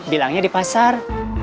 bilangnya di pasar